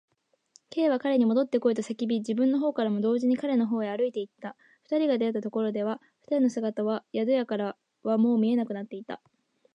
Ｋ は彼にもどってこいと叫び、自分のほうからも同時に彼のほうへ歩いていった。二人が出会ったところでは、二人の姿は宿屋からはもう見えなくなっていた。